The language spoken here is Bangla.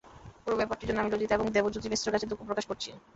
পুরো ব্যাপারটির জন্য আমি লজ্জিত এবং দেবজ্যোতি মিশ্রর কাছে দুঃখ প্রকাশ করছি।